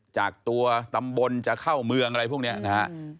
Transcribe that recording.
จากตัวตำบลจะเข้าเมืองอะไรพวกนี้นะฮะ